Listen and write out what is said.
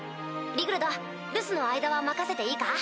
リグルド留守の間は任せていいか？